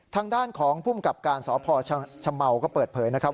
ทางด้านของภูมิกับการสพชะเมาก็เปิดเผยนะครับ